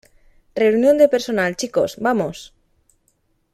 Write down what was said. Reunión de personal, chicos. Vamos .